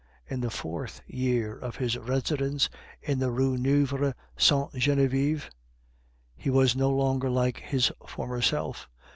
In the fourth year of his residence in the Rue Neuve Sainte Genevieve he was no longer like his former self.